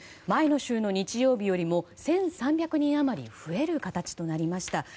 前の週の日曜日よりも１３００人余り増える形となりました。